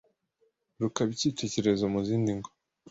rukaba icyitegererezo muzindi ngo